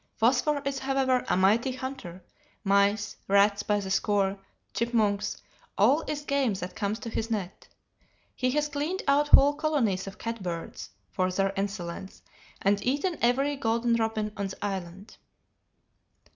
Phosphor is, however, a mighty hunter: mice, rats by the score, chipmunks, all is game that comes to his net. He has cleaned out whole colonies of catbirds (for their insolence), and eaten every golden robin on the island.